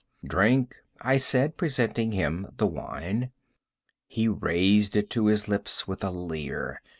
"Drink," I said, presenting him the wine. He raised it to his lips with a leer.